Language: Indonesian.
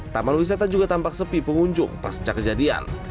taman wisata juga tampak sepi pengunjung pasca kejadian